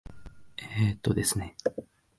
えーとですね。